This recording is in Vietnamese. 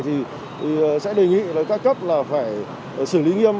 thì sẽ đề nghị với các cấp là phải xử lý nghiêm